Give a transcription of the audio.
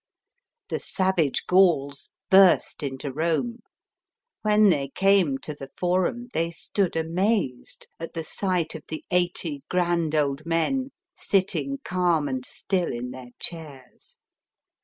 The savage Gauls burst into Rome. When they came to the Forum they stood amazed, at the sight of the eighty grand old men, sitting calm and still in their chairs.